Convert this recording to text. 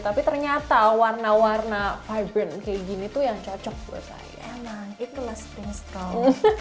tapi ternyata warna warna vibrant kayak gini tuh yang cocok buat saya emang itu must be strong